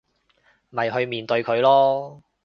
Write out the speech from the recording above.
咪去面對佢囉